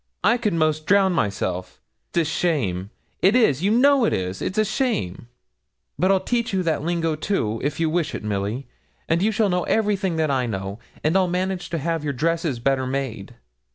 I could 'most drown myself. It's a shame! It is you know it is. It's a shame!' 'But I'll teach you that lingo too, if you wish it, Milly; and you shall know everything that I know; and I'll manage to have your dresses better made.'